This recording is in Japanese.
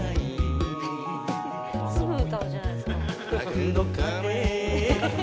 すぐ歌うじゃないですか。